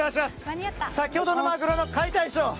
先ほどのマグロの解体ショー。